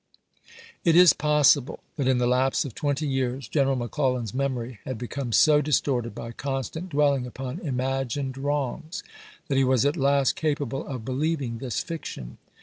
It is possible that in the lapse of twenty years General McClellan's memory had become so dis torted by constant dwelling upon imagined wrongs that he was at last capable of believing this fiction.